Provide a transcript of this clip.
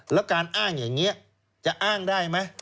แล้วการอ้างอย่างนี้จะอ้างได้ไหม